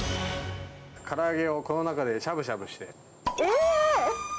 から揚げをこの中でしゃぶしえー！